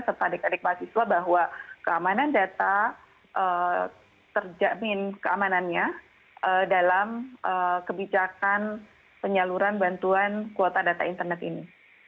serta adik adik mahasiswa bahwa keamanan data terjamin keamanannya dalam kebijakan penyaluran bantuan kuota data internet ini